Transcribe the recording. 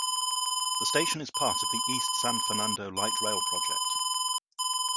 The station is part of the East San Fernando Light Rail Project.